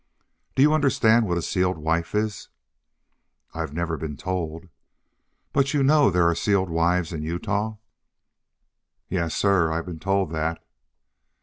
"Do you understand what a sealed wife is?" "I've never been told." "But you know there are sealed wives in Utah?" "Yes, sir; I've been told that."